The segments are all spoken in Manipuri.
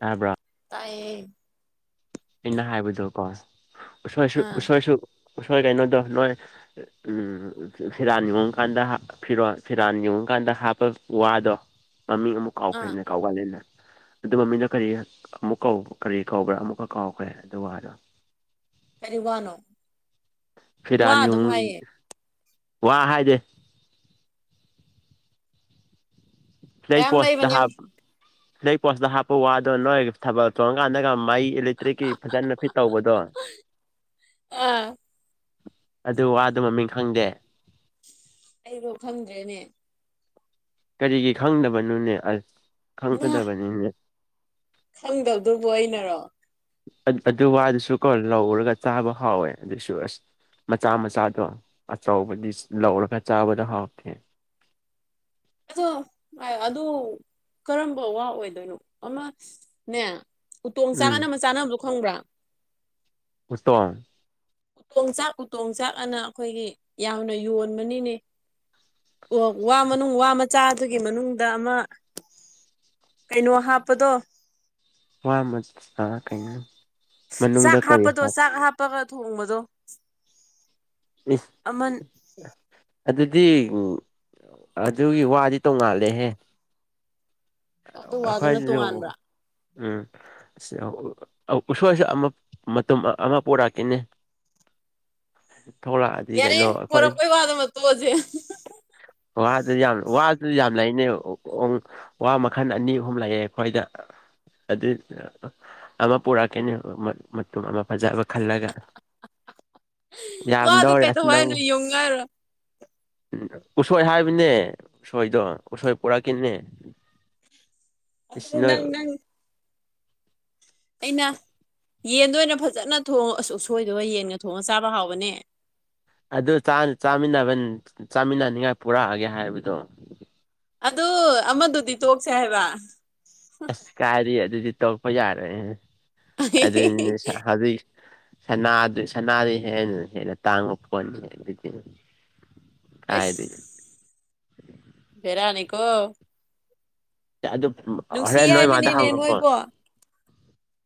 ꯇꯥꯕ꯭ꯔ ꯇꯥꯏꯌꯦ ꯑꯩꯅ ꯍꯥꯏꯕꯗꯣ ꯀꯣ ꯎꯁꯣꯏꯁꯨ ꯑꯥ ꯎꯁꯣꯏꯁꯨ ꯎꯁꯣꯏ ꯀꯩꯅꯣꯗꯣ ꯅꯣꯏ [unintelligible] ꯐꯤꯔꯥꯟ ꯌꯨꯡꯀꯥꯟꯗ ꯍꯥꯞ ꯐꯤꯔꯣꯟ ꯐꯤꯔꯥꯟ ꯌꯨꯡꯀꯥꯟꯗ ꯍꯥꯞꯄ ꯋꯥꯗꯣ ꯃꯃꯤꯡ ꯑꯃꯨꯛ ꯑꯥ ꯀꯥꯎꯈ꯭ꯔꯦꯅ ꯀꯥꯎꯒꯜꯂꯤꯅ ꯑꯗꯨ ꯃꯃꯤꯡꯅ ꯀꯔꯤ ꯑꯃꯨꯛ ꯀꯧ ꯀꯔꯤ ꯀꯧꯕ꯭ꯔꯥ ꯑꯃꯨꯛꯀ ꯀꯥꯎꯈ꯭ꯔꯦ ꯑꯗꯨ ꯋꯥꯗꯣ ꯀꯔꯤ ꯋꯥꯅꯣ ꯋꯥ ꯐꯤꯔꯥꯟ ꯑꯗꯨꯝ ꯌꯨꯡ ꯍꯥꯏꯌꯦ ꯋꯥ ꯍꯥꯏꯗꯦ ꯂꯩ ꯃꯌꯥꯝ ꯄꯣꯁꯇ ꯂꯩꯕꯅꯦ ꯍꯥꯞ ꯂꯩ ꯄꯣꯁꯇ ꯍꯥꯞꯄ ꯋꯥꯗꯣ ꯅꯣꯏ ꯊꯥꯕꯜ ꯆꯣꯡꯀꯥꯟꯗꯒ ꯃꯩ ꯏꯂꯦꯛꯇ꯭ꯔꯤꯛꯀꯤ ꯐꯖꯅ ꯐꯤꯠ ꯇꯧꯕꯗꯣ ꯑꯥ ꯑꯗꯨ ꯋꯥꯗꯨ ꯃꯃꯤꯡ ꯈꯪꯗꯦ ꯑꯩꯕꯧ ꯈꯪꯗ꯭ꯔꯦꯅꯦ ꯀꯔꯤꯒꯤ ꯈꯪꯗꯕꯅꯣꯅꯦ ꯑꯁ ꯃꯥ ꯈꯪꯒꯗꯕꯅꯤꯅꯦ ꯈꯪꯗꯕꯗꯨꯕꯨ ꯑꯩꯅꯔꯣ ꯑꯗꯨ ꯋꯥꯗꯨꯁꯨ ꯀꯣ ꯂꯧꯔꯒ ꯆꯥꯕ ꯍꯥꯎꯋꯦ ꯑꯗꯨꯏꯁꯨ ꯑꯁ ꯃꯆꯥ ꯃꯆꯥꯗꯣ ꯑꯆꯧꯕꯗꯤ ꯂꯧꯔꯒ ꯆꯥꯕꯗꯣ ꯍꯥꯎꯔꯈꯤꯦ ꯑꯗꯣ ꯑ ꯀꯔꯝꯕ ꯋꯥ ꯑꯣꯏꯗꯣꯏꯅꯣ ꯑꯃꯅꯦ ꯎꯇꯣꯡ ꯎꯝ ꯆꯥꯛꯒꯅꯕ ꯆꯥꯅꯕꯗꯣ ꯈꯪꯕ꯭ꯔꯥ ꯎꯁꯇ ꯇꯣꯡꯆꯥꯛꯄ ꯇꯣꯡꯆꯥꯛꯑꯅ ꯑꯩꯈꯣꯏꯒꯤ ꯌꯥꯝꯅ ꯌꯣꯟꯕꯅꯤꯅꯦ ꯑꯣ ꯋꯥ ꯃꯅꯨꯡ ꯋꯥ ꯃꯆꯥꯗꯨꯒꯤ ꯃꯅꯨꯡꯗ ꯑꯃ ꯀꯩꯅꯣ ꯍꯥꯞꯄꯗꯣ ꯋꯥ ꯃꯠ ꯑ ꯀꯩꯅꯣ ꯃꯅꯨꯡꯗ ꯀꯔꯤ ꯍꯥꯞ ꯇꯥꯒ ꯊꯣꯡꯕꯗꯣ ꯅꯤꯁ ꯑꯃꯟ ꯑꯗꯨꯗꯤ ꯎꯝ ꯑꯗꯨꯒꯤ ꯋꯥꯗꯤ ꯇꯣꯡꯉꯥꯜꯂꯩꯍꯦ ꯑꯗꯨ ꯋꯥꯗꯨꯅ ꯑꯈꯣꯏꯖꯨ ꯇꯣꯉꯥꯟꯕ꯭ꯔꯥ ꯎꯝ ꯎꯁꯣꯏꯁ ꯑꯃ ꯃꯇ ꯑꯃ ꯄꯨꯔꯛꯀꯅꯤ ꯌꯥꯔꯦ ꯀꯩꯅꯣ ꯄꯨꯔ ꯑꯩꯈꯣꯏ ꯀꯣꯏ ꯋꯥꯗ ꯅꯠꯇ ꯍꯧꯖꯤꯦ ꯋꯥꯗꯨ ꯌꯥꯝ ꯋꯥꯗꯨ ꯌꯥꯝ ꯂꯩꯅꯦ ꯋꯥ ꯃꯈꯜ ꯑꯅꯤ ꯑꯍꯨꯝ ꯂꯥꯛꯑꯦ ꯑꯩꯈꯣꯏꯗ ꯑꯗꯨ ꯑꯃ ꯄꯨꯔꯛꯀꯅꯤ ꯃꯇꯨꯝ ꯑꯃ ꯐꯖꯕ ꯈꯜꯂꯒ ꯋꯥꯗꯣ ꯌꯥꯝꯗꯧꯔꯦ ꯑꯁ ꯀꯩꯗꯧ ꯅꯪ ꯍꯥꯏꯅꯣ ꯌꯦꯡꯉꯨ ꯍꯥꯏꯔꯣ ꯎ ꯎꯁꯣꯏ ꯍꯥꯏꯕꯅꯦ ꯎꯁꯣꯏꯗꯣ ꯎꯁꯣꯏ ꯄꯨꯣꯔꯛꯀꯅꯦ ꯑꯗꯨ ꯏꯁꯅ ꯅꯪ ꯅꯪ ꯑꯩꯅ ꯌꯦꯟꯗ ꯑꯣꯏꯅ ꯐꯖꯅ ꯊꯣꯡ ꯑ ꯑꯁꯣꯏꯗꯒ ꯌꯦꯟꯒ ꯊꯣꯡꯉꯒ ꯆꯥꯕ ꯍꯥꯎꯕꯅꯦ ꯑꯗꯨ ꯆꯥꯃꯤꯟꯅꯕ ꯆꯥꯃꯤꯟꯅꯅꯤꯉꯥꯏ ꯄꯨꯔꯛꯑꯒꯦ ꯍꯥꯏꯕꯗꯣ ꯑꯗꯨ ꯑꯃꯗꯨꯗꯤ ꯇꯣꯛꯁꯦ ꯍꯥꯏꯕ ꯑꯁ ꯀꯥꯏꯔꯤ ꯑꯗꯨꯗꯤ ꯇꯧꯔꯛꯄ ꯌꯥꯔꯦ ꯑꯩꯁ ꯑꯗꯨꯅꯦ ꯍꯧꯖꯤꯛ ꯁꯗꯨ ꯁꯅꯥꯗꯨ ꯍꯦꯟꯅ ꯍꯦꯟꯅ ꯇꯥꯡꯕ ꯄꯣꯠꯅꯤ ꯑꯗꯨꯗꯤ ꯍꯥꯏꯗꯤ ꯕꯤꯔꯅꯤꯀꯣ ꯑꯗꯨ ꯅꯨꯡꯁꯤ ꯍꯣꯔꯦꯟ ꯅꯣꯏꯃꯥꯗ ꯍꯥꯏꯕꯅꯤꯅꯦ ꯍꯪꯉꯣꯀꯣ ꯅꯣꯏꯕꯣ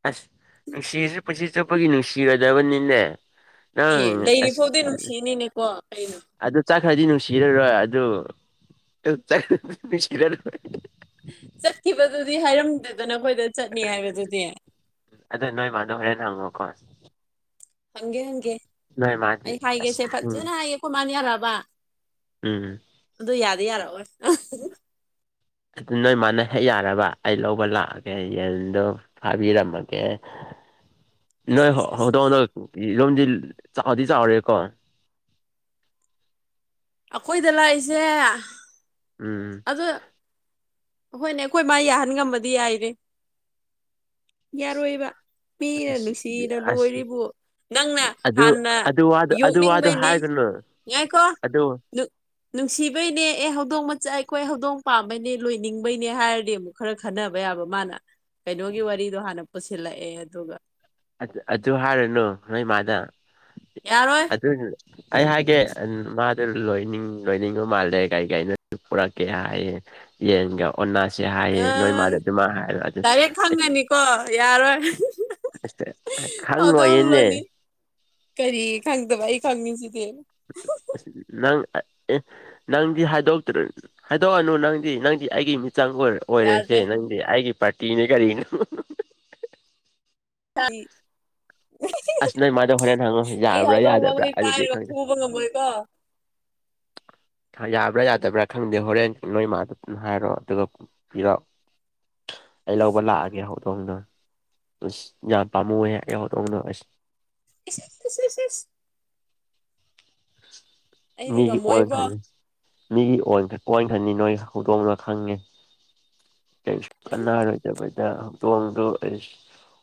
ꯑꯁ ꯅꯨꯡꯁꯤꯔꯁ ꯄꯨꯟꯁꯤ ꯆꯨꯞꯄꯒꯤ ꯅꯨꯡꯁꯤꯒꯗꯕꯅꯤꯅꯦ ꯑꯦ ꯂꯩꯔꯤ ꯐꯥꯎꯗꯤ ꯅꯨꯡꯁꯤꯅꯤꯅꯦꯀꯣ ꯀꯩꯅꯣ ꯑꯗꯨ ꯆꯥꯛꯈ꯭ꯔꯗꯤ ꯅꯨꯡꯁꯤꯔꯔꯣꯏ ꯑꯗꯨ ꯅꯨꯡꯁꯤꯔꯔꯣꯏ ꯆꯠꯈꯤꯕꯗꯨꯗꯤ ꯍꯥꯏꯔꯝꯗꯦꯗꯅ ꯑꯩꯈꯣꯏꯗ ꯆꯠꯅꯤ ꯍꯥꯏꯕꯗꯨꯗꯤ ꯑꯗꯣ ꯅꯣꯏ ꯃꯥꯗ ꯍꯣꯔꯦꯟꯅ ꯍꯪꯉꯣꯀꯣ ꯈꯪꯒꯦ ꯈꯪꯒꯦ ꯅꯣꯏ ꯃꯥꯗꯤ ꯑꯩ ꯍꯥꯏꯒꯦꯁꯦ ꯑꯁ ꯎꯝ ꯐꯖꯅ ꯍꯥꯏꯒꯦ ꯑꯩꯈꯣꯏ ꯃꯥꯅꯤ ꯌꯥꯔꯛꯑꯕꯥ ꯎꯝ ꯎꯝ ꯑꯗꯨ ꯌꯥꯗꯤ ꯌꯥꯔꯛꯑꯣꯣꯏ ꯑꯗꯨ ꯅꯣꯏ ꯃꯥꯅ ꯍꯦꯛ ꯌꯥꯔꯕ ꯑꯩ ꯂꯧꯕ ꯂꯥꯛꯑꯒꯦ ꯌꯦꯟꯗꯣ ꯐꯥꯕꯤꯔꯝꯃꯒꯦ ꯑꯁ ꯅꯣꯏ ꯑꯁ ꯑꯁ ꯑꯁ ꯍꯧꯗꯣꯛꯗꯣꯛ ꯌꯣꯝꯗꯤ ꯆꯥꯎꯗꯤ ꯆꯥꯎꯔꯦꯀꯣ ꯑꯩꯈꯣꯏꯗ ꯂꯥꯛꯏꯁꯦ ꯎꯝꯝ ꯑ ꯍꯣꯏꯅꯦ ꯑꯩꯈꯣꯏ ꯃꯥ ꯌꯥꯍꯟ ꯉꯝꯕꯗꯤ ꯌꯥꯏꯔꯦ ꯌꯥꯔꯣꯏꯕ ꯃꯤꯅ ꯑꯁ ꯅꯨꯡꯁꯤꯅ ꯑꯁ ꯂꯣꯏꯔꯤꯕ ꯅꯪꯅ ꯑꯗꯨ ꯍꯥꯟꯅ ꯑꯗꯨ ꯋꯥꯗꯣ ꯑꯗꯨ ꯋꯥꯗꯣ ꯌꯣꯛꯅꯤꯡꯕꯩꯅꯤ ꯍꯥꯏꯒꯅꯨ ꯉꯥꯏꯀꯣ ꯑꯗꯨ ꯅꯨꯡꯁꯤꯕꯩꯅꯦ ꯑꯦ ꯍꯧꯗꯣꯡ ꯃꯆꯥ ꯑꯩꯈꯣꯏ ꯍꯧꯗꯣꯡ ꯄꯥꯝꯕꯩꯅꯦ ꯂꯣꯏꯅꯤꯡꯕꯩꯅꯦ ꯍꯥꯏꯔꯗꯤ ꯑꯃꯨꯛ ꯈꯔ ꯈꯟꯅꯕ ꯌꯥꯕ ꯃꯥꯅ ꯀꯩꯅꯣꯒꯤ ꯋꯥꯔꯤꯗꯣ ꯍꯥꯟꯅ ꯄꯨꯁꯤꯜꯂꯛꯑꯦ ꯑꯗꯨꯒ ꯑꯗꯨ ꯍꯥꯏꯔꯅꯨ ꯅꯣꯏꯃꯗ ꯌꯥꯔꯣꯏ ꯑꯆꯦ [unintelligible] ꯑꯩ ꯍꯥꯏꯒꯦ ꯃꯥꯗ ꯂꯣꯏꯅꯤꯡ ꯂꯣꯏꯅꯤꯡꯕ ꯃꯥꯜꯂꯦ ꯀꯩ ꯀꯅꯣ ꯄꯨꯔꯛꯀꯦ ꯍꯥꯏꯌꯦ ꯌꯦꯟꯒ ꯑꯣꯅꯥꯁꯦ ꯍꯥꯏꯌꯦ ꯅꯣꯏ ꯃꯥꯗ ꯑꯗꯨꯃ ꯍꯥꯏꯕ ꯑꯗꯨ ꯈꯪꯒꯅꯤꯀꯣ ꯌꯥꯔꯣꯏ ꯊꯗꯣꯛ ꯈꯪꯉꯣꯏꯌꯦꯅꯦ ꯂꯣꯏꯅꯤ ꯀꯔꯤ ꯈꯪꯗꯕ ꯑꯩ ꯈꯪꯅꯤꯡꯁꯤꯗꯤ ꯅꯪ ꯑꯦ [inaudible] ꯅꯪꯗꯤ ꯍꯥꯏꯗꯣꯛꯇ꯭ꯔ ꯍꯥꯏꯗꯣꯛꯑꯅꯨ ꯅꯪꯗꯤ ꯅꯪꯗꯤ ꯑꯩꯒꯤ ꯃꯤꯆꯪ ꯀ ꯑꯣꯏꯣꯏꯔ ꯑꯣꯏꯔꯁꯦ ꯌꯥꯗ꯭ꯔꯦ ꯅꯪꯗꯤ ꯑꯩꯒꯤ ꯄꯥꯔꯇꯤꯅꯦ ꯀꯔꯤꯅꯣ ꯑꯩ ꯑꯁ [unintelligible] ꯅꯣꯏ ꯃꯥꯗꯣ ꯍꯣꯔꯦꯟ ꯍꯪꯉꯣ ꯑꯩ ꯌꯥꯕ꯭ꯔꯥ ꯌꯥꯗꯕ꯭ꯔꯥ ꯍꯧꯗꯣꯡꯕꯣꯏ ꯑꯗꯨꯗꯤ ꯄꯥꯏꯔꯒ ꯈꯪꯗꯦ ꯐꯨꯕ ꯉꯝꯃꯣꯏꯀꯣ ꯌꯥꯕ꯭ꯔꯥ ꯌꯥꯗꯕ꯭ꯔꯥ ꯈꯪꯗꯦ ꯍꯣꯔꯦꯟ ꯅꯣꯏ ꯏ ꯃꯥꯗ ꯍꯥꯏꯔꯣꯑꯣ ꯑꯗꯨꯒ ꯄꯤꯔꯛꯑꯣ ꯑꯩ ꯂꯧꯕ ꯂꯥꯛꯑꯒꯦ ꯍꯧꯛ ꯍꯧꯗꯣꯡꯗꯣ ꯑꯁ ꯌꯥꯝ ꯄꯥꯝꯃꯨꯑꯣ ꯍꯦꯛ ꯑꯩꯍꯣꯗꯣꯡꯅꯣ ꯑꯁ [unintelligible] [inaudible] ꯑꯩꯗꯤ ꯉꯝꯃꯣꯏꯕꯣ ꯃꯤꯒꯤꯈꯅꯤ ꯃꯤꯒꯤ ꯀ ꯈꯟꯅꯤ ꯅꯣꯏ ꯍꯧꯗꯣꯡꯅ ꯈꯪꯉꯦ ꯀꯔꯤꯁꯨ ꯀꯟꯅꯔꯣꯌꯗꯕ ꯑ ꯍꯧꯇꯣꯡꯗꯨ ꯑꯩ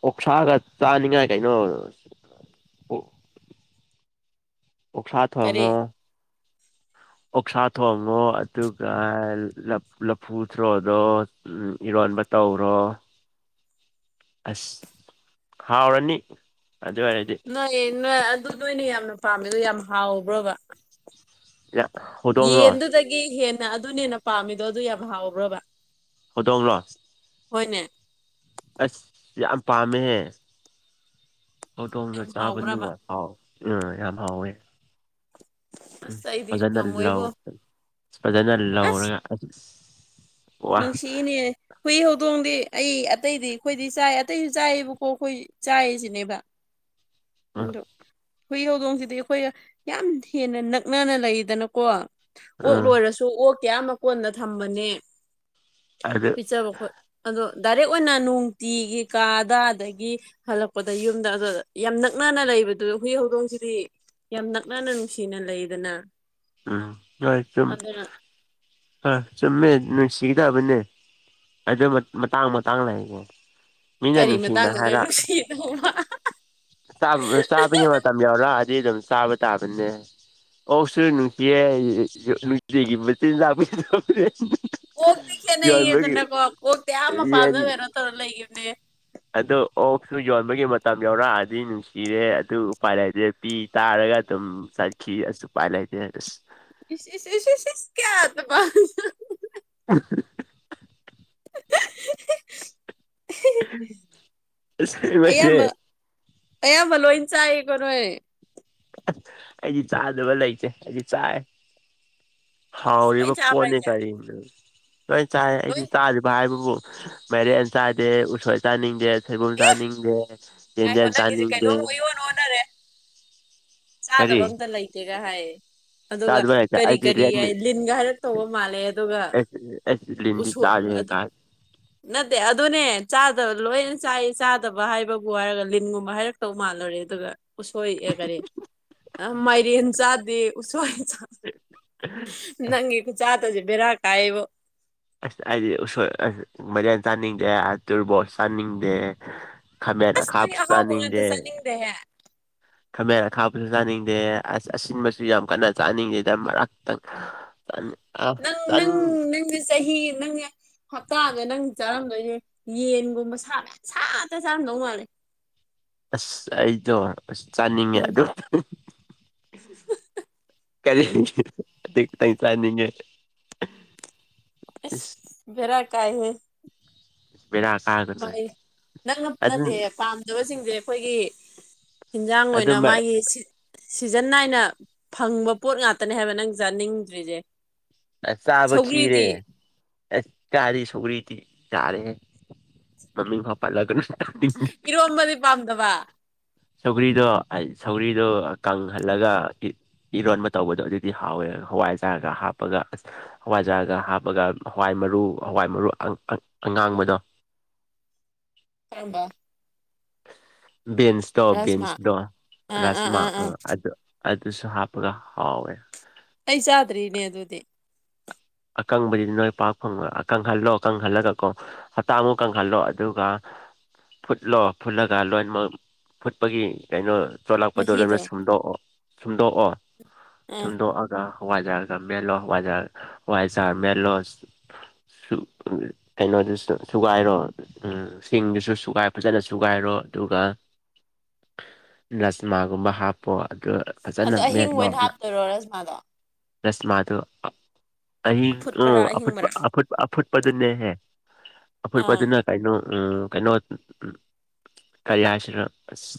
ꯑꯣꯛꯁꯥꯒ ꯆꯥꯅꯤꯡꯉꯥꯏ ꯀꯩꯅꯣ ꯑꯣꯛꯁꯥ ꯊꯣꯡ ꯀꯔꯤ ꯉꯣ ꯑꯣꯛꯁꯥ ꯊꯣꯡꯉꯣ ꯑꯗꯨꯒ ꯂꯐꯨ ꯊ꯭ꯔꯣꯗꯣ ꯎ ꯏꯔꯣꯟꯕ ꯇꯧꯔꯣ ꯑꯁ ꯍꯥꯎꯔꯅꯤ ꯑꯗꯨ ꯑꯣꯏꯔꯗꯤ ꯍꯣꯏ ꯅꯣꯏ ꯑꯗꯨꯗ ꯑꯣꯏꯅ ꯌꯥꯝꯅ ꯄꯥꯝꯃꯦ ꯑꯗꯨ ꯌꯥꯝ ꯍꯥꯎꯕ꯭ꯔꯣꯕ ꯌꯥ [inaudible] ꯌꯦꯟꯗꯨꯗꯒꯤ ꯍꯦꯟꯅ ꯑꯗꯨꯅ ꯍꯦꯟꯅ ꯄꯥꯝꯃꯤꯗꯣ ꯑꯗꯨ ꯌꯥꯝ ꯍꯥꯎꯕ꯭ꯔꯕ ꯍꯧꯗꯣꯡ ꯔꯣ ꯍꯣꯏꯅꯦ ꯑꯁ ꯌꯥꯝ ꯄꯥꯝꯃꯦꯍꯦ ꯑꯣꯇꯣꯝꯗ ꯌꯥꯝ ꯆꯥꯕ ꯍꯥꯎꯕ꯭ꯔꯕ ꯅꯨꯡꯉꯥꯏ ꯍꯥꯎ ꯎꯝ ꯌꯥꯝ ꯍꯥꯎꯋꯦ ꯎꯝ ꯑꯁ ꯑꯩꯗꯤ ꯐꯖꯅꯥ ꯉꯝꯃꯣꯏꯕꯣ ꯐꯖꯅꯥ ꯑꯁ ꯂꯧꯔꯒ ꯋꯥ ꯅꯨꯡꯁꯤꯅꯦ ꯍꯨꯏ ꯍꯧꯗꯣꯡꯗꯤ ꯑꯩ ꯑꯇꯩꯗꯤ ꯑꯩꯈꯣꯏꯗꯤ ꯆꯥꯏ ꯑꯇꯩꯁꯨ ꯆꯥꯏꯌꯦꯕꯀꯣ ꯑꯩꯈꯣꯏ ꯆꯥꯏꯔꯤꯁꯤꯅꯦꯕ ꯎꯝ ꯑꯗ ꯍꯨꯏ ꯍꯧꯗꯣꯡꯁꯤꯗꯤ ꯑꯩꯈꯣꯏ ꯌꯥꯝ ꯍꯦꯟꯅ ꯅꯛꯅꯅ ꯂꯩꯗꯅꯀꯣ ꯑꯣꯛ ꯎꯝ ꯂꯣꯏꯔꯁꯨ ꯑꯣꯛ ꯀꯌꯥꯝ ꯃꯀꯣꯟꯗ ꯊꯝꯕꯅꯦ ꯑꯗꯨꯒ ꯄꯤꯠꯆꯕ ꯈꯣꯠ ꯑꯗꯣ ꯗꯥꯏꯔꯦꯛ ꯑꯣꯏꯅ ꯅꯨꯡꯇꯤꯒꯤ ꯀꯥꯗ ꯑꯗꯒꯤ ꯍꯜꯂꯛꯄꯗ ꯌꯨꯝꯗ ꯑꯗꯨ ꯌꯥꯝꯅꯛ ꯅꯛꯅꯅ ꯂꯩꯕꯗꯨ ꯍꯨꯏ ꯍꯧꯗꯣꯡꯁꯤꯗꯤ ꯌꯥꯝ ꯅꯛꯅꯅ ꯅꯨꯡꯁꯤꯅ ꯂꯩꯗꯅ ꯎꯝ ꯍꯣꯏ ꯆꯨꯝ ꯑꯗꯨꯅ ꯑ ꯆꯨꯝꯃꯦ ꯅꯨꯡꯁꯤ ꯇꯥꯕꯅꯦ ꯑꯗꯨ ꯃꯇꯥꯡ ꯃꯇꯥꯡ ꯂꯩꯥꯛꯒꯦ ꯃꯤꯅ ꯀꯔꯤ ꯅꯨꯡꯁꯤꯅ ꯃꯇꯥꯡꯗꯅ ꯍꯥꯏꯔ ꯅꯨꯡꯁꯤꯗꯧꯕ ꯆꯥꯕꯒꯤ ꯃꯇꯝ ꯌꯥꯎꯔꯛꯑꯗꯤ ꯑꯗꯨꯝ ꯆꯥꯕ ꯇꯥꯕꯅꯦ ꯑꯣ ꯁ ꯑꯦ ꯅꯨꯡꯇꯤꯒꯤ ꯃꯆꯤꯟꯖꯥꯛ ꯀꯣꯛꯇꯤ ꯈꯦꯠꯅꯩꯌꯦ ꯌꯣꯟꯕꯒꯤ ꯑꯗꯨꯅꯀꯣ ꯀꯣꯛꯇꯤ ꯑꯥꯃ ꯄꯥꯖꯕꯔꯣ ꯇꯧꯔꯒ ꯂꯩꯈꯤꯕꯕꯅꯦ ꯑꯗꯨ ꯑꯣꯛꯁꯨ ꯌꯣꯟꯕꯒꯤ ꯃꯇꯝ ꯌꯧꯔꯛꯑꯗꯤ ꯅꯨꯡꯁꯤꯔꯦ ꯑꯗꯨ ꯎꯄꯥꯏ ꯂꯩꯇ꯭ꯔꯦ ꯄꯄꯤ ꯇꯥꯔꯒ ꯑꯗꯨꯝ ꯆꯠꯈꯤ ꯑꯗꯨꯁꯨ ꯎꯄꯥꯏ ꯂꯩꯇꯦ ꯑꯁ ꯏꯁ ꯏ ꯁꯤꯤꯁ ꯀꯌꯥꯗꯕꯥ ꯎ [inaudible] [unintelligible] ꯁꯤ ꯃꯥꯏꯦ ꯑ ꯌꯥꯝ ꯐ ꯂꯣ ꯏꯟ ꯆ ꯑꯩ ꯀꯅꯣꯣꯏꯦ ꯑꯁ ꯑꯩꯗꯤ ꯆꯥꯗꯕ ꯂꯩꯁꯦ ꯑꯩꯗꯤ ꯆꯥꯏ ꯂꯣꯏ ꯍꯥꯎꯔꯤꯕ ꯆꯥꯕ꯭ꯔꯥ ꯄꯣꯠꯅꯤ ꯍꯥꯏꯁꯦ ꯀꯔꯤꯅꯣ ꯂꯣꯏ ꯆꯥꯏ ꯑꯩꯗꯤ ꯂꯣꯏ ꯆꯥꯗ꯭ꯔꯤꯕ ꯍꯥꯏꯕꯕꯨ ꯃꯥꯏꯔꯦꯟ ꯆꯥꯗꯦ ꯎꯁꯣꯏ ꯆꯥꯅꯤꯡꯗꯦ ꯁꯣꯏꯕꯨꯝ ꯑꯦ ꯆꯥꯅꯤꯡꯗꯦ ꯌꯦ ꯉꯥꯏꯈꯣ ꯅꯪꯒꯤꯁꯦ ꯆꯅꯤꯗꯦ ꯀꯩꯅꯣꯝ ꯑꯣꯏꯌꯣꯟ ꯑꯣꯟꯅꯔꯦ ꯀꯔꯤ ꯆꯥꯗꯕ ꯑꯝꯇ ꯂꯩꯇꯦꯒ ꯍꯥꯏꯌꯦ ꯑꯗꯨꯒ ꯆꯥꯗꯕ ꯂꯩꯇꯦ ꯀꯔꯤ ꯑꯩꯗꯤ ꯀꯔꯤ ꯔꯦꯠ ꯍꯥꯏ ꯃꯤꯠ ꯂꯤꯟꯒ ꯍꯥꯏꯔ ꯇꯧꯕ ꯃꯥꯜꯂꯦ ꯑꯗꯨꯒ [unintelligible] ꯎꯁꯨꯣ ꯆꯥꯗꯦꯍꯦ ꯑꯗꯨ ꯀꯥꯏ ꯅꯠꯇꯦ ꯑꯗꯨꯅꯦ ꯆꯥꯗꯕ ꯂꯣꯏꯅ ꯆꯥꯏ ꯆꯥꯗꯕ ꯍꯥꯏꯕꯕꯨ ꯍꯥꯏꯔꯒ ꯂꯤꯟꯒꯨꯝꯕ ꯍꯥꯏꯔꯛ ꯇꯧ ꯃꯥꯜꯂꯨꯔꯦ ꯑꯗꯨꯒ ꯎꯁꯣꯏ ꯑꯦ ꯀꯔꯤ ꯃꯥꯏꯔꯦꯟ ꯆꯥꯗꯦ ꯎꯁꯣꯏ ꯅꯪ ꯈꯨꯨ ꯆꯥꯇꯁꯦ ꯕꯤꯔꯥ ꯀ ꯍꯥꯏꯕꯣ ꯑꯁ ꯍꯥꯏꯗꯤ ꯎ ꯑꯁ ꯃꯔꯤꯟ ꯆꯥꯅꯤꯡꯗꯦ ꯇꯨꯔꯕꯣꯠ ꯆꯥꯅꯤꯡꯗꯦ ꯈꯃꯦꯔ ꯑꯁ ꯅꯪꯒꯤ ꯑꯍꯥꯎꯕ ꯀꯥꯞꯁꯨꯆꯅꯤꯡꯗꯦ ꯉꯥꯛꯇ ꯆꯥꯅꯤꯡꯗꯦꯍꯦ ꯈꯥꯃꯦꯟ ꯑ ꯈꯥꯕꯁꯨ ꯆꯥꯅꯤꯡꯗꯦ ꯑꯁ ꯑꯁꯤꯟꯕꯁꯨ ꯌꯥꯝ ꯀꯟꯅ ꯆꯥꯅꯤꯡꯗꯦꯗ ꯃꯔꯛꯇꯪ ꯆꯥꯅꯤꯡ ꯑ ꯅꯪ ꯅꯪ ꯆꯥꯅꯤꯡ ꯅꯪꯁ ꯆꯍꯤ ꯅꯪ ꯍꯞꯇꯥꯗ ꯅꯪ ꯆꯥꯔꯝꯗꯣꯏꯁ ꯌꯦꯟꯒꯨꯝꯕ ꯁꯥꯂꯦ ꯁꯥꯠꯇ ꯆꯥꯔꯝꯗꯧ ꯃꯥꯜꯂꯦ ꯑꯁ ꯑꯩꯗꯣ ꯑꯁ ꯆꯥꯅꯤꯡꯉꯦ ꯑꯗꯨ ꯎ ꯀꯔꯤ ꯇ ꯆꯥꯅꯤꯡꯉꯦ ꯏꯁ ꯚꯔꯥ ꯀꯥꯏ ꯍ ꯚꯦꯔꯥ ꯀꯥ ꯃ ꯅꯪ ꯅꯠꯇꯦ ꯐꯝ ꯐꯕ ꯁꯤꯡꯁꯦ ꯑꯩꯈꯣꯏꯒꯤ ꯍꯟꯖꯥꯡ ꯑꯣꯏꯅ ꯑꯗꯨꯝꯕ ꯃꯥꯒꯤ ꯁꯤꯖꯟ ꯅꯥꯏꯅ ꯐꯪꯕ ꯄꯣꯠ ꯉꯥꯛꯇꯅꯦ ꯍꯥꯏꯕ ꯅꯪ ꯆꯥꯅꯤꯡꯗ꯭ꯔꯤꯁꯦ ꯑꯁ ꯆꯥꯕ ꯈꯤꯔꯦ ꯁꯧꯒ꯭ꯔꯤꯗꯤ ꯑꯁ ꯆꯥꯔꯤ ꯁꯧꯔꯤꯗꯤ ꯆꯥꯔꯦ ꯃꯃꯤ ꯄꯄꯥꯂꯒꯅ ꯏꯔꯝꯕꯗꯤꯄꯥꯥꯝꯗꯕ ꯁꯧꯒ꯭ꯔꯤꯗꯣ ꯁꯧꯒ꯭ꯔꯤꯗꯣ ꯀꯪꯍꯜꯂꯒ ꯏꯔꯣꯟꯕ ꯇꯧꯕꯗꯣ ꯑꯗꯨꯗꯤ ꯍꯥꯎꯋꯦ ꯍꯋꯥꯏꯖꯔꯒ ꯍꯥꯞ ꯍꯥꯞꯄꯒ ꯑꯁ ꯍꯋꯥꯏꯖꯔꯒ ꯍꯥꯞꯄꯒ ꯍꯋꯥꯏ ꯃꯔꯨ ꯍꯋꯥꯏ ꯃꯔꯨ ꯑꯉꯥꯡꯕꯗꯣ ꯍꯝꯕ ꯕꯤꯟꯁꯇꯣ ꯔꯥꯖꯃꯥ ꯕꯤꯟꯁꯇꯣ ꯔꯥꯁꯃꯥ ꯑꯥ ꯑꯗꯨꯣ ꯑꯗꯨꯁꯨ ꯍꯥꯞꯒ ꯍꯥꯎ ꯑꯩ ꯆꯥꯗ꯭ꯔꯤꯅꯦ ꯑꯗꯨꯗꯤ ꯑꯀꯪꯕꯗꯤ ꯅꯣꯏ ꯄꯥꯛ ꯐꯪꯕ ꯑꯀꯪꯍꯜꯂꯣ ꯑꯀꯪꯍꯜꯂꯒ ꯀꯣ ꯍꯞꯇꯥꯃꯨꯛ ꯀꯪꯍꯜꯂꯣ ꯑꯗꯨꯒ ꯐꯨꯠꯂꯣ ꯐꯨꯠꯂꯒ ꯂꯣꯏꯃꯛ ꯐꯨꯠꯄꯒꯤ ꯀꯩꯅꯣ ꯆꯣꯂꯛꯄꯗꯨꯣ ꯂꯣꯏꯅ ꯃꯍꯤꯗꯣ ꯁꯨꯝꯗꯣꯛꯑꯣ ꯁꯨꯝꯗꯣꯛꯑꯣ ꯑꯥ ꯁꯨꯝꯗꯣꯛ ꯋꯥꯖꯥꯒ ꯃꯦꯜꯂꯣ ꯋꯥꯖꯥ ꯋꯥꯖꯥꯔ ꯃꯦꯜꯂꯣ ꯁ ꯀꯩꯅꯣꯗꯨ ꯁꯨꯒꯥꯏꯔꯣ ꯎꯝ ꯁꯤꯡꯗꯨꯁꯨ ꯁꯨꯒꯥꯏ ꯐꯖꯅ ꯁꯨꯒꯥꯏꯔꯣ ꯑꯗꯨꯒ ꯂꯁꯃꯥꯒꯨꯝꯕ ꯍꯥꯞ ꯄ ꯑꯗꯨ ꯐꯖꯅ ꯑꯗꯣ ꯑꯍꯤꯡꯕ ꯑꯣꯏꯅ ꯃꯦꯠꯂꯣꯅ ꯍꯥꯞꯇꯣꯏꯔꯣ ꯔꯥꯖꯃꯥꯗꯣ ꯔꯁꯃꯥꯗꯨ ꯑꯍꯤꯡ ꯑꯐꯨꯠꯄꯔꯥ ꯑꯄ ꯑꯍꯤꯡꯕꯔꯥ ꯑꯐꯨꯠꯄꯗꯅꯦꯍꯦ ꯑꯥ ꯑꯐꯠꯄꯗꯅ ꯀꯩꯅꯣ ꯎꯝ ꯀꯩꯅꯣ ꯀꯔꯤ ꯍꯥꯏꯁꯤꯅꯣ ꯑꯁ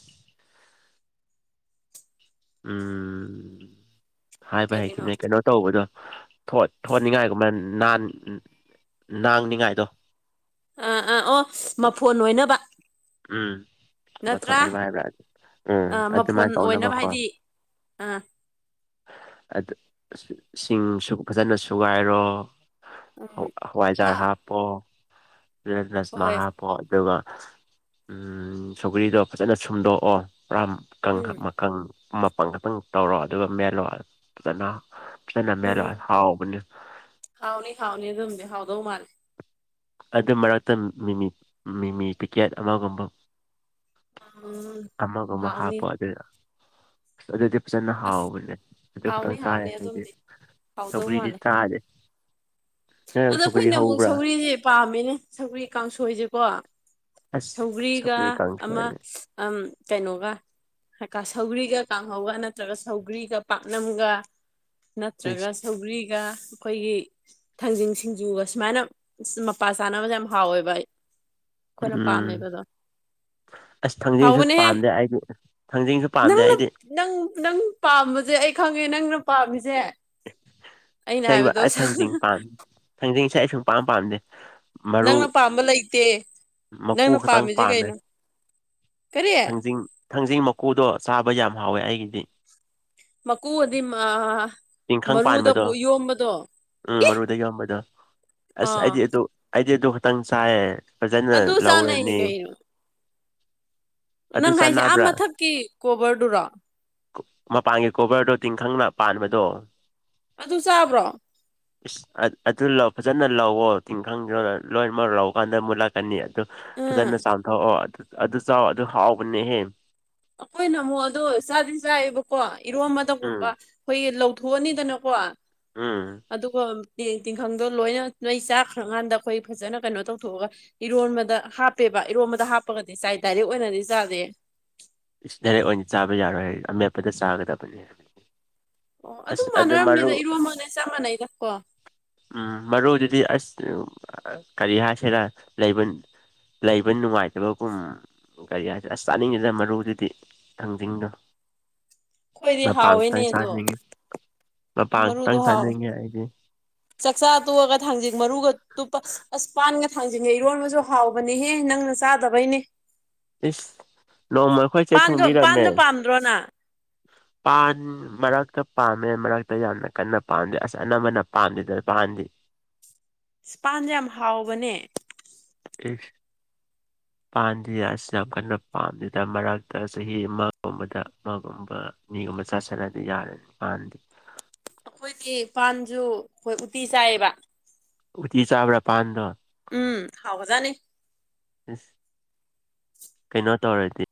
ꯎꯝ ꯍꯥꯏꯕ ꯀꯔꯤꯅꯣ ꯍꯩꯈꯤꯅꯦ ꯀꯩꯅꯣ ꯇꯧꯕꯗꯣ ꯊꯣꯅꯤꯡꯉꯥꯏꯒꯨꯝꯕ ꯥꯡꯅꯤꯉꯥꯏꯗꯣ ꯑꯥ ꯑꯥ ꯑꯣ ꯃꯐꯣꯟ ꯑꯣꯏꯅꯕ ꯎꯝ ꯃꯊꯣꯟ ꯅꯠꯇ꯭ꯔꯥ ꯑꯅꯤ ꯍꯥꯏꯕ꯭ꯔꯥ ꯎꯝ ꯑꯥ ꯃꯐꯣꯟ ꯑꯗꯨꯃꯥꯏꯅ ꯑꯣꯏꯅꯕ ꯇꯧꯅꯕꯀꯣ ꯍꯥꯏꯗꯤ ꯑꯥ ꯁꯤꯡꯁꯨ ꯐꯖꯅ ꯁꯨꯒꯥꯏꯔꯣ ꯎꯝ ꯍꯥ ꯍꯋꯥꯏꯖꯔ ꯍꯥꯞꯄꯣ ꯑꯗꯨ ꯅꯁꯃꯥ ꯍꯣꯏ ꯍꯥꯞꯄꯣ ꯑꯗꯨꯒ ꯎ ꯁꯣꯒꯔꯤꯗꯣ ꯐꯖꯅ ꯁꯨꯝꯗꯣꯛꯑꯣ ꯄꯨꯔꯥ ꯎꯝ ꯀꯪꯈꯛ ꯃꯄꯜ ꯈꯛꯇꯪ ꯇꯧꯔꯣ ꯑꯗꯨꯒ ꯃꯦꯜꯂꯣ ꯑꯗꯨꯅ ꯍꯅ ꯃꯦꯔ ꯎꯝ ꯍꯥꯎꯅꯤ ꯍꯥꯎꯅꯤ ꯍꯥꯎꯅꯤ ꯑꯗꯨꯣ ꯍꯥꯎꯗꯣꯧ ꯃꯥꯜꯦ ꯑꯗꯨ ꯃꯔꯛꯇ ꯃꯤꯃꯤ ꯃꯤꯃꯤ ꯄꯤꯀꯦꯠ ꯑꯃꯒꯨꯝꯕ ꯎꯝ ꯑꯃꯒꯃ ꯍꯥꯎꯅꯤ ꯍꯥꯞꯄ ꯑꯗꯨꯗ ꯑꯗꯨꯗꯤ ꯐꯖꯅ ꯑꯁ ꯍꯥꯎꯕꯅꯦ ꯑꯗꯨ ꯍꯥꯎꯅꯤ ꯈꯇꯪ ꯆꯥꯏ ꯍꯥꯎꯅꯤ ꯍꯥꯏꯗꯤ ꯑꯗꯨꯝꯗꯤ ꯍꯥꯎꯗꯧ ꯁꯧꯀ꯭ꯔꯤꯗꯤ ꯃꯥꯜꯂꯦ ꯆꯥꯥꯁꯦ ꯑꯗꯣ ꯁꯧꯀ꯭ꯔꯤ ꯑꯩꯈꯣꯏꯅ ꯑꯃꯨꯛ ꯍꯧꯕ꯭ꯔꯥ ꯁꯧꯒ꯭ꯔꯤꯁꯦ ꯄꯥꯝꯃꯤꯅꯦ ꯁꯒ꯭ꯔꯤ ꯀꯥꯡꯁꯣꯏꯁꯦꯀꯣ ꯑꯁ ꯁꯧꯒ꯭ꯔꯤꯒ ꯁꯧꯒ꯭ꯔꯤ ꯑꯃ ꯀꯥꯡꯁꯣꯏ ꯀꯩꯅꯣꯒ ꯁꯧꯒ꯭ꯔꯤꯒ ꯀꯥꯡꯍꯧꯒ ꯅꯠꯇ꯭ꯔꯒ ꯁꯧꯒ꯭ꯔꯤꯒ ꯄꯥꯛꯅꯝꯒ ꯅꯠꯇ꯭ꯔꯒ ꯏꯁ ꯁꯧꯒ꯭ꯔꯤꯒ ꯑꯩꯈꯣꯏꯒꯤ ꯊꯥꯡꯖꯤꯡ ꯁꯤꯡꯖꯨꯒ ꯁꯨꯃꯥꯏꯅ ꯃꯄꯥ ꯆꯥꯅꯕꯗ ꯌꯥꯝ ꯍꯥꯎꯋꯦꯕ ꯑꯩꯈꯣꯏꯅ ꯎꯝ ꯄꯥꯝꯃꯦꯕꯗꯣ ꯑꯁ ꯊꯥꯡꯖꯤꯡꯁꯨ ꯍꯥꯎꯕꯅꯦꯍꯦ ꯄꯥꯝꯗꯦ ꯑꯩꯗꯤ ꯊꯥꯡꯖꯤꯡꯁꯨ ꯄꯥꯝꯗꯦ ꯅꯪꯅ ꯑꯩꯗꯤ ꯅꯪ ꯅꯪ ꯄꯥꯝꯕꯁꯦ ꯑꯩ ꯈꯪꯉꯦ ꯅꯪꯅ ꯄꯥꯝꯃꯤꯁꯦ ꯑꯩꯅ ꯑꯕ ꯍꯥꯏꯕꯗꯣ ꯑꯩ ꯊꯥꯡꯖꯤꯡ ꯄꯥꯝ ꯊꯥꯡꯖꯤꯡꯁꯦ ꯑꯩꯁꯨ ꯄꯥꯝ ꯄꯥꯝꯗꯦ ꯃꯔꯨ ꯅꯪꯅ ꯄꯥꯝꯕ ꯂꯩꯇꯦ ꯃꯀꯨ ꯅꯪꯅ ꯈꯛꯇꯪ ꯄꯥꯝꯃꯤꯁꯦ ꯀꯩꯅꯣ ꯀꯔꯤ ꯊꯖꯤꯡ ꯊꯥꯡꯖꯤꯡ ꯃꯀꯨꯗꯣ ꯆꯥꯕ ꯌꯥꯝ ꯍꯥꯎꯋꯦ ꯑꯩꯒꯤꯗꯤ ꯃꯀꯨ ꯑꯗꯤ ꯇꯤꯡꯈꯪ ꯃꯔꯨꯗ ꯄꯥꯟꯕꯗꯣ ꯌꯣꯝꯕꯗꯣ ꯎꯝ ꯃꯔꯨꯗ ꯌꯣꯟꯕꯗꯣ ꯑꯁ ꯑꯩꯗꯤ ꯑꯥ ꯑꯗꯨ ꯑꯩꯗꯤ ꯑꯗꯨ ꯈꯇꯪ ꯆꯥꯏꯌꯦ ꯐꯖꯅ ꯑꯗꯨ ꯆꯥꯅꯩ ꯂꯧꯔꯅꯤ ꯀꯩꯅꯣ ꯑꯗꯨ ꯅꯪ ꯍꯥꯏꯁꯦ ꯑꯥ ꯆꯥꯟꯅꯕ꯭ꯔꯥ ꯃꯊꯛꯀꯤ ꯀꯣꯕꯔꯗꯨꯔꯣ ꯃꯄꯥꯟꯒꯤ ꯀꯣꯕꯔꯗꯣ ꯇꯤꯡꯈꯪꯅ ꯄꯥꯟꯕꯗꯣ ꯑꯗꯨ ꯆꯥꯕ꯭ꯔꯣ ꯏꯁ ꯑꯗꯨ ꯂꯧ ꯐꯖꯅ ꯂꯧꯥꯛꯋꯣ ꯇꯤꯟꯈꯪꯗꯣ ꯂꯣꯏꯅꯃꯛ ꯂꯧꯀꯥꯟꯗ ꯑꯃꯨꯛ ꯂꯥꯛ ꯑꯅꯤ ꯑꯗꯨ ꯎꯝ ꯐꯖꯅ ꯆꯥꯝꯊꯣꯛꯑꯣ ꯑꯗꯨ ꯑꯗꯨ ꯆꯥꯎ ꯑꯗꯨ ꯍꯥꯎꯕꯅꯦꯍꯦ ꯑꯩꯈꯣꯏꯅ ꯑꯃꯨꯛ ꯑꯗꯣ ꯆꯥꯗꯤ ꯆꯥꯏꯌꯦꯕꯀꯣ ꯎꯝ ꯏꯔꯣꯝꯕꯗꯒꯨꯝꯕ ꯑꯩꯈꯣꯏ ꯂꯧꯊꯣꯛꯑꯅꯤꯗꯅꯀꯣ ꯎꯝ ꯑꯗꯨꯒ ꯇꯤꯡꯈꯪꯗꯣ ꯂꯣꯏꯅ ꯅꯣꯏ ꯆꯥꯈ꯭ꯔꯀꯥꯟꯗ ꯑꯩꯈꯣꯏ ꯐꯖꯅ ꯀꯩꯅꯣ ꯇꯧꯊꯣꯛꯑꯒ ꯏꯔꯣꯟꯕꯗ ꯍꯥꯞꯄꯦꯕ ꯏꯔꯣꯟꯕꯗ ꯍꯥꯞꯄꯒꯗꯤ ꯆꯥꯏ ꯗꯥꯏꯔꯦꯛ ꯑꯣꯏꯅꯗꯤ ꯆꯥꯗꯦ [inaudible] ꯏꯁ ꯗꯥꯏꯔꯦꯛ ꯑꯣꯏꯅ ꯆꯥꯕ ꯌꯥꯔꯣꯏ ꯑꯃꯦꯠꯄꯗ ꯆꯥꯒꯗꯕꯅꯦ ꯑꯣ ꯑꯁ ꯑꯗꯨꯝ ꯑꯗꯨ ꯃꯔꯨ ꯃꯥꯟꯅꯔꯝꯅꯤꯗ ꯏꯔꯣꯃꯅ ꯆꯞ ꯃꯥꯟꯅꯩꯗ ꯀꯣ ꯎꯝ ꯃꯔꯨꯗꯨꯗꯤ ꯑꯁ ꯀꯔꯤ ꯍꯥꯏꯁꯤꯔ ꯂꯩꯕ ꯂꯩꯕ ꯅꯨꯡꯉꯥꯏꯇꯕꯒꯨꯝ ꯒꯥꯔꯤ ꯍꯥꯏꯁꯦ ꯑꯁ ꯆꯥꯅꯤꯡꯉꯤꯗ ꯃꯔꯨꯗꯨꯗꯤ ꯊꯥꯡꯖꯤꯡꯗꯣ ꯑꯩꯈꯣꯏꯗꯤ ꯅ ꯄꯥꯂꯇ ꯁꯥꯖꯅꯤꯡꯦ ꯃꯔꯨꯗ ꯍꯥꯥꯎ ꯑꯩꯗꯤ ꯆꯛꯆꯥꯥ ꯇꯒ ꯊꯥꯡꯖꯤꯡ ꯃꯔꯨꯒ ꯇꯨꯞꯄ ꯑꯁ ꯄꯥꯟꯒ ꯊꯥꯡꯖꯤꯡꯒꯩꯔꯣꯟꯕꯁꯨ ꯍꯥꯎꯕꯅꯦꯍꯦ ꯅꯪꯅ ꯆꯥꯗꯕꯩꯅꯦ ꯏꯁ ꯅꯣꯡꯃꯈꯣꯏꯁꯦ ꯊꯣꯡꯕꯤꯔꯝꯃꯦ ꯑꯗ꯭ꯔꯣꯅꯥ ꯄꯥꯟ ꯃꯔꯛꯇ ꯄꯥꯝꯃꯦ ꯃꯔꯛꯇ ꯌꯥꯝꯅ ꯀꯟꯅ ꯄꯥꯝꯗꯦ ꯑꯁ ꯑꯅꯝꯕꯅ ꯄꯥꯝꯗꯦꯗ ꯄꯥꯟꯗꯤ ꯏꯁꯄꯥꯟꯁꯦ ꯌꯥꯝ ꯍꯥꯎꯕꯅꯦ ꯏꯁ ꯄꯥꯟꯗ ꯑꯁꯤ ꯌꯥꯝ ꯀꯟꯅ ꯄꯥꯝꯗꯦꯗ ꯃꯔꯛꯇ ꯆꯍꯤ ꯑꯃꯒꯨꯝꯕꯗ ꯑꯃꯒꯨꯝꯕ ꯃꯤꯒꯨꯝꯕ ꯆꯥ ꯆꯠꯂꯗꯤ ꯌꯥꯔꯅꯤ ꯄꯥꯟꯗꯤ ꯑꯩꯈꯣꯏꯗꯤ ꯐꯥꯥꯟꯁꯨ ꯑꯩꯈꯣꯏ ꯎꯇꯤ ꯆꯥꯏꯌꯦꯕ ꯎꯇꯤ ꯆꯥꯕ꯭ꯔꯥ ꯄꯥꯟꯗꯣ ꯎꯝ ꯍꯥꯎꯒꯖꯥꯅꯤ ꯏꯁ ꯀꯩꯅꯣ ꯇꯧꯔꯗꯤ